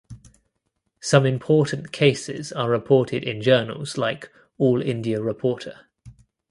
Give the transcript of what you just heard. Some Important Cases are reported in Journals like All India Reporter.